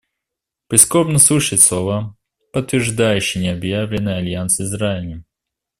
Прискорбно слышать слова, подтверждающие необъявленный альянс с Израилем.